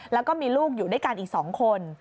แล้วก็มีลูกอยู่ด้วยกันอีก๒คน